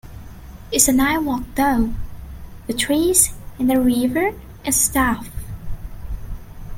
It's a nice walk though, with trees and a river and stuff.